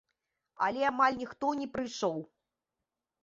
Але амаль ніхто не прыйшоў.